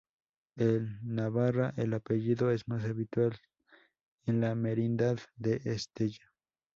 En Navarra el apellido es más habitual en la merindad de Estella.